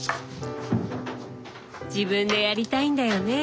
自分でやりたいんだよね。